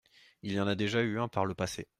Il y en a déjà eu un par le passé.